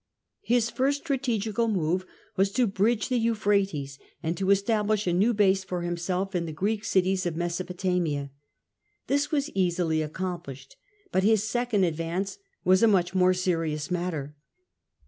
His first strategical move was to bridge the Euphrates, and to esta blish a new base for himself in the Greek cities of Mesopo tamia. This was easilyaccomplished, but his second advance was a much more serious matter.